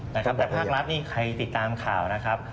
แต่ภาครัฐนี่ใครติดตามข่าวนะครับ